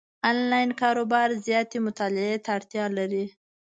انلاین کاروبار زیاتې مطالعې ته اړتیا لري،